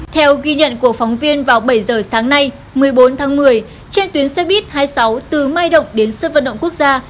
theo ghi nhận của phóng viên vào bảy giờ sáng nay một mươi bốn tháng một mươi trên tuyến xe buýt hai mươi sáu từ mai động đến sân vận động quốc gia